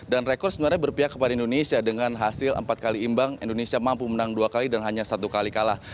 dan rekord sebenarnya berpihak kepada indonesia dengan hasil empat kali imbang indonesia mampu menang dua kali dan hanya satu kali kalah